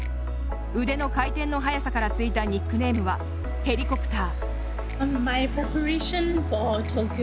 腕の回転の速さからついたニックネームはヘリコプター。